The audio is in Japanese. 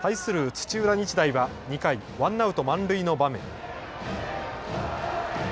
土浦日大は２回ワンアウト満塁の場面。